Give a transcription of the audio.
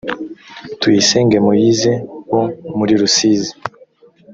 tuyisenge moise wo muri rusizi